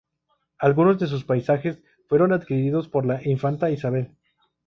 Algunos de sus paisajes fueron adquiridos por la infanta Isabel.